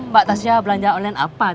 mbak tasyah belanja online apa